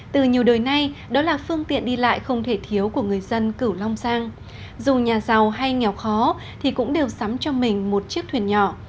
từ nhiều đời nay đó là phương tiện đi lại không thể thiếu của người dân cửu long giang dù nhà giàu hay nghèo khó thì cũng đều sắm cho mình một chiếc thuyền nhỏ